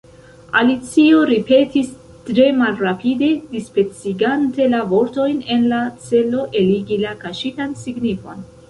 Alicio ripetis tre malrapide, dispecigante la vortojn en la celo eligi la kaŝitan signifon.